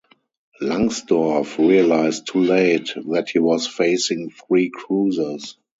Langsdorff realised too late that he was facing three cruisers.